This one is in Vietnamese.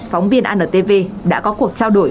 phóng viên antv đã có cuộc trao đổi